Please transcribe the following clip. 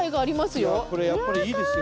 いやこれやっぱりいいですよ。